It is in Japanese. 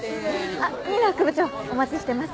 あっ新名副部長お待ちしてます。